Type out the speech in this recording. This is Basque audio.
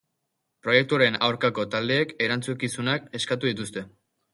Proiektuaren aurkako taldeek erantzukizunak eskatu dituzte.